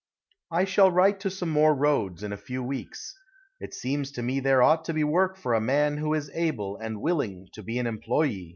I shall write to some more roads in a few weeks. It seems to me there ought to be work for a man who is able and willing to be an employe.